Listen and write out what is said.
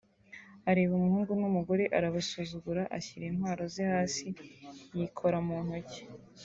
areba umuhungu n’umugore arabasuzugura; ashyira intwaro ze hasi yikora mu ntoki